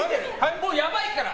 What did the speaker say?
もうやばいから！